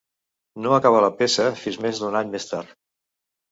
No acabà la peça fins més d'un any més tard.